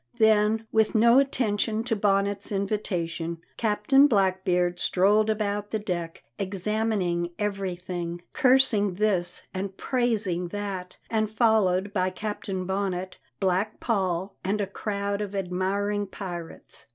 Then, with no attention to Bonnet's invitation, Captain Blackbeard strolled about the deck, examining everything, cursing this and praising that, and followed by Captain Bonnet, Black Paul, and a crowd of admiring pirates.